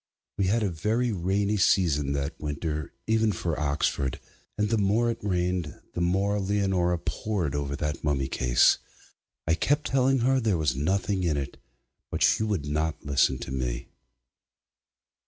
We had a very rainy season that winter even for Oxford, and the more it rained the more Leonora pored over that mummy case. I kept telling her there was nothing in it, but she would not listen to me.